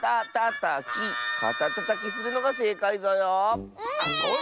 かたたたきするのがせいかいぞよ。